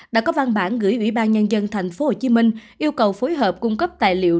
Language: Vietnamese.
đã có văn bản gửi ủy ban nhân dân tp hcm yêu cầu phối hợp cung cấp tài liệu